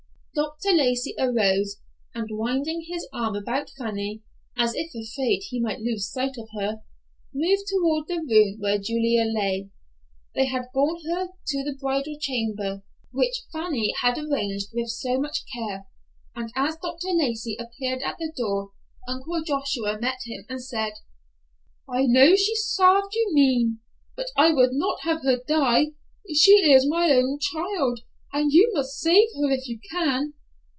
Dr. Lacey arose, and winding his arm about Fanny, as if afraid he might lose sight of her, moved toward the room where Julia lay. They had borne her to the bridal chamber, which Fanny had arranged with so much care, and as Dr. Lacey appeared at the door, Uncle Joshua met him and said, "I know she sarved you mean, but I would not have her die. She is my own child, and you must save her if you can."